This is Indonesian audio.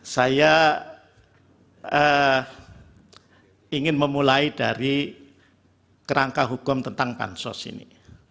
saya ingin memulai dari kerangka hukum tentang pansos ini